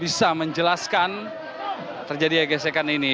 bisa menjelaskan terjadi gesekan ini